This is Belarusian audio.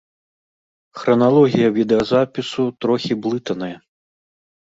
Храналогія відэазапісу трохі блытаная.